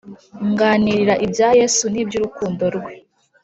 Nganirira ibya yesu n’ibyurukundo rwe